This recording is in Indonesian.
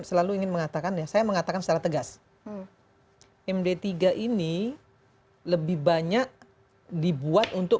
selalu ingin mengatakan ya saya mengatakan secara tegas md tiga ini lebih banyak dibuat untuk